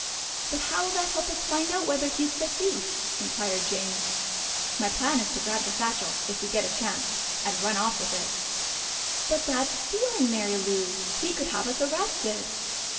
"But how will that help us to find out whether he is the thief?" inquired Jane. "My plan is to grab that satchel, if we get a chance, and run off with it!" "But that's stealing, Mary Lou! He could have us arrested."